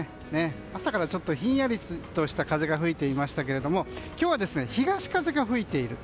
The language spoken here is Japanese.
朝からちょっとひんやりとした風が吹いていましたけれども今日は東風が吹いている。